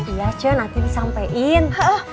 iya cu nanti disampein